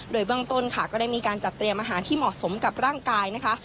โดยเบื้องต้นค่ะก็ได้มีการจัดเตรียมอาหารที่เหมาะสมกับร่างกายนะคะ